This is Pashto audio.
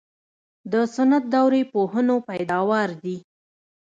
د سنت دورې پوهنو پیداوار دي.